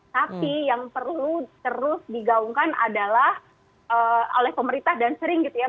tapi yang perlu terus digaungkan adalah oleh pemerintah dan sering gitu ya